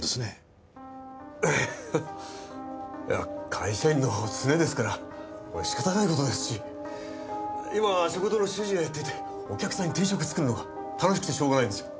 会社員の常ですから仕方ない事ですし今食堂の主人をやっていてお客さんに定食作るのが楽しくてしょうがないんですよ。